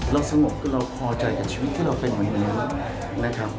เราสงบก็เราพอใจกับชีวิตที่เราเป็นวันนี้นะครับ